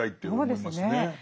そうですね。